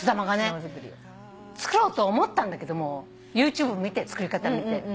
作ろうと思ったんだけどもＹｏｕＴｕｂｅ見て作り方見て。